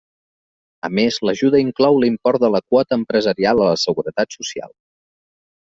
A més l'ajuda inclou l'import de la quota empresarial a la Seguretat Social.